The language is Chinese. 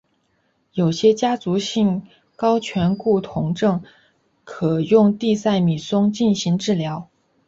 有些家族性高醛固酮症可用地塞米松进行治疗。